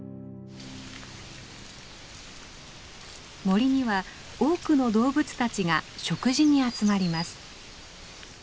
森には多くの動物たちが食事に集まります。